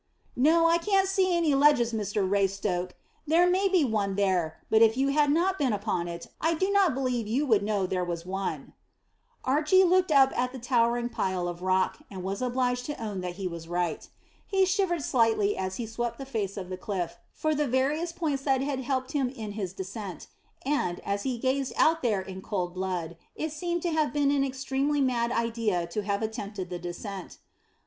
"No, I can't see any ledges, Mr Raystoke. There may be one there, but if you had not been upon it, I don't believe you would know that there was one." Archy looked up at the towering pile of rock, and was obliged to own that he was right. He shivered slightly as he swept the face of the cliff for the various points that had helped him in his descent, and, as he gazed out there in cold blood, it seemed to have been an extremely mad idea to have attempted the descent.